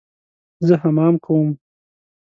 زه حمام کوم